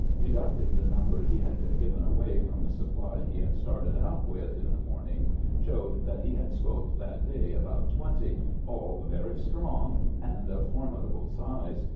Deducting the number he had given away from the sup ply he had started out with in the morning showed that he had smoked that day about twenty, all very strong and of formidable size.